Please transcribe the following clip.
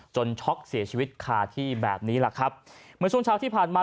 ช็อกเสียชีวิตคาที่แบบนี้แหละครับเมื่อช่วงเช้าที่ผ่านมา